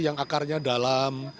yang akarnya dalam